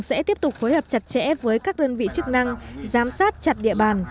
sẽ tiếp tục phối hợp chặt chẽ với các đơn vị chức năng giám sát chặt địa bàn